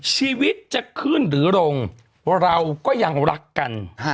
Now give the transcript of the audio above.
ชีวิตจะขึ้นหรือลงเราก็ยังรักกัน